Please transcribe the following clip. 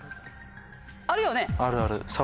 あるよね？